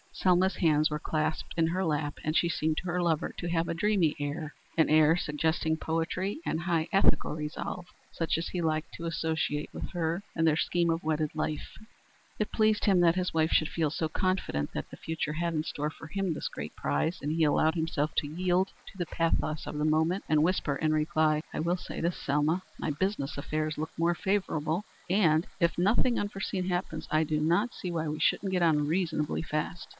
Selma's hands were clasped in her lap, and she seemed to her lover to have a dreamy air an air suggesting poetry and high ethical resolve such as he liked to associate with her and their scheme of wedded life. It pleased him that his wife should feel so confident that the future had in store for him this great prize, and he allowed himself to yield to the pathos of the moment and whisper in reply: "I will say this, Selma. My business affairs look more favorable, and, if nothing unforeseen happens, I do not see why we shouldn't get on reasonably fast.